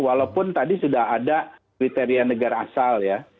walaupun tadi sudah ada kriteria negara asal ya